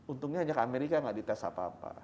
untungnya hanya ke amerika nggak dites apa apa